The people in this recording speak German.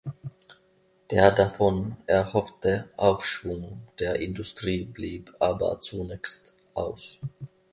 Der davon erhoffte Aufschwung der Industrie blieb aber zunächst aus.